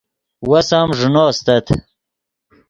وس ام ݱینو استت